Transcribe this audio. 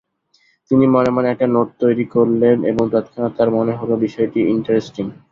তিনি মনে-মনে একটা নোট তৈরি করলেন এবং তৎক্ষণাৎ তাঁর মনে হলো বিষয়টি ইন্টারেস্টিং।